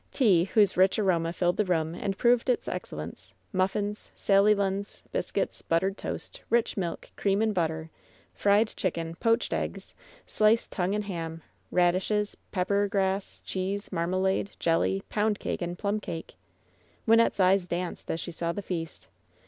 Tea, whose rich aroma filled the room and proved its excellence, muflSns, sally lunns, biscuits, buttered toast, rich milk, cream and butter, fried chicken^ LOVERS BITTEREST CUP 208 poached eggs, sliced tongue and ham, radishes, pepper grass, cheese, marmalade, jelly, pound cake and plum cake. Wynnette's eyes danced as she saw the feast.